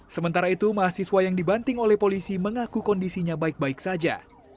sementara itu mahasiswa yang dibanting oleh polisi mengaku kondisinya baik baik saja